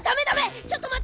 ちょっとまって！